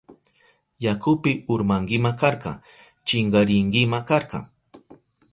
Yakupi urmankima karka, chinkarinkima karka.